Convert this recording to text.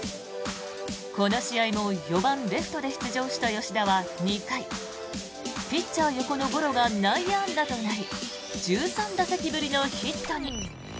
この試合も４番レフトで出場した吉田は２回ピッチャー横のゴロが内野安打となり１３打席ぶりのヒットに。